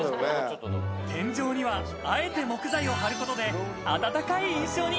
天井にはあえて木材を張ることで暖かい印象に。